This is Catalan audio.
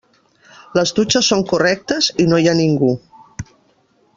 Les dutxes són correctes i no hi ha ningú.